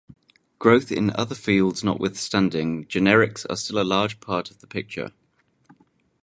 Growth in other fields notwithstanding, generics are still a large part of the picture.